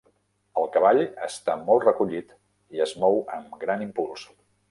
El cavall està molt recollit i es mou amb gran impuls.